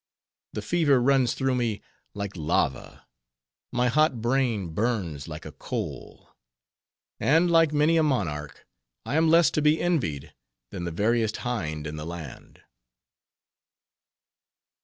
The fever runs through me like lava; my hot brain burns like a coal; and like many a monarch, I am less to be envied, than the veriest hind in the land.